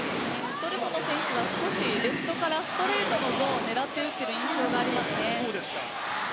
トルコの選手はレフトからストレートゾーンを狙って打っている印象がありますね。